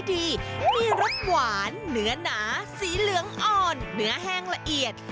ที่มีรสหวานเนื้อหนาสีเหลืองอ่อนเนื้อแห้งละเอียด